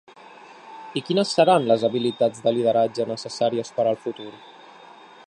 I quines seran les habilitats de lideratge necessàries per al futur?